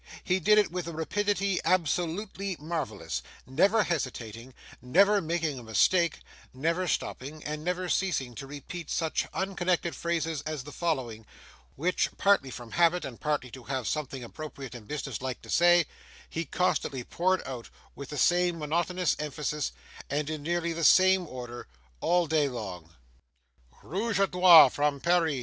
He did it all with a rapidity absolutely marvellous; never hesitating, never making a mistake, never stopping, and never ceasing to repeat such unconnected phrases as the following, which, partly from habit, and partly to have something appropriate and business like to say, he constantly poured out with the same monotonous emphasis, and in nearly the same order, all day long: 'Rooge a nore from Paris!